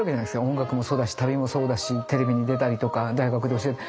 音楽もそうだし旅もそうだしテレビに出たりとか大学で教える。